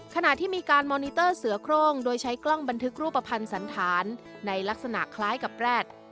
ขณะที่มีการมอนิเตอร์เสือโครงโดยใช้กล้องบันทึกรูปภัณฑ์สันธารในลักษณะคล้ายกับแร็ด